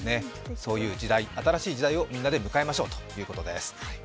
そういう新しい時代をみんなで迎えましょうということです。